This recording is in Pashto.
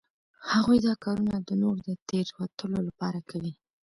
هغوی دا کارونه د نورو د تیروتلو لپاره کوي